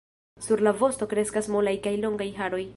Sur la vosto kreskas molaj kaj longaj haroj.